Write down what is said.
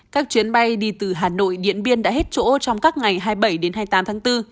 các chuyến bay đi từ hà nội điện biên đã hết chỗ trong các ngày hai mươi bảy đến hai mươi tám tháng bốn